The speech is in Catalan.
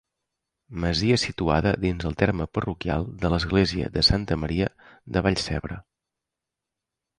Masia situada dins el terme parroquial de l'església de Santa Maria de Vallcebre.